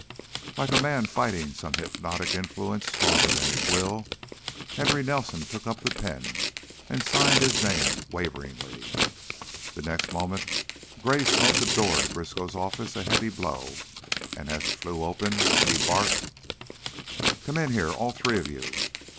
Like a man fighting some hypnotic influence stronger than his will, Henry Nelson took up the pen and signed his name waveringly. The next moment Gray smote the door to Briskow's office a heavy blow and, as it flew open, he barked: "Come in here! All three of you!"